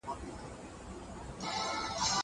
زه اوس سبزېجات وخورم!!